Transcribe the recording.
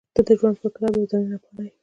• ته د ژوند پر کتاب یوه زرینه پاڼه یې.